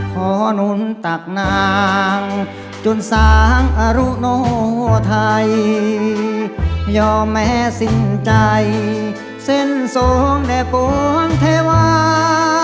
หนุนตักนางจนสางอรุโนไทยยอมแม้สิ้นใจเส้นทรงแด่ปวงเทวา